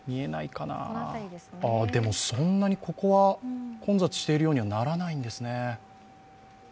でも、そんなに、ここは混雑しているようにはならないんですね。